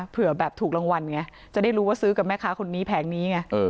เผื่อแบบถูกรางวัลไงจะได้รู้ว่าซื้อกับแม่ค้าคนนี้แผงนี้ไง